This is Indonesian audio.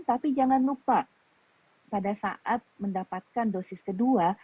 tapi jangan lupa pada saat mendapatkan dosis kedua